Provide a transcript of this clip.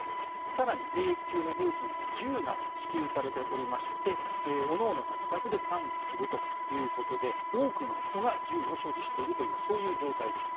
更に兵役中の兵士には銃が支給されておりましておのおのが自宅で管理するということで多くの人が銃を所持しているという状態です。